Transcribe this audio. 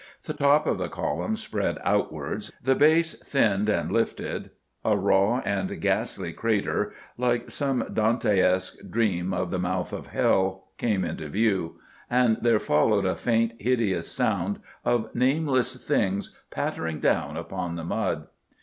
The top of the column spread outwards; the base thinned and lifted; a raw and ghastly crater, like some Dantesque dream of the mouth of Hell, came into view; and there followed a faint, hideous sound of nameless things pattering down upon the mud.